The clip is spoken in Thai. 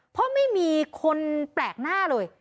เพราะไม่มีคนแปลกหน้าเลย